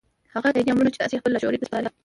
هغه تاييدي امرونه چې تاسې يې خپل لاشعور ته سپارئ.